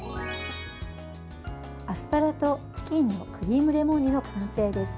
アスパラとチキンのクリームレモン煮の完成です。